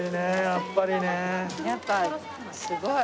やっぱすごい。